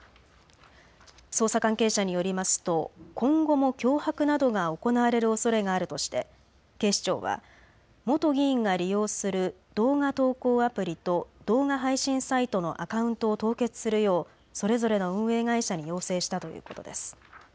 捜査関係者によりますと今後も脅迫などが行われるおそれがあるとして警視庁は元議員が利用する動画投稿アプリと動画配信サイトのアカウントを凍結するようそれぞれの運営会社に要請したということです。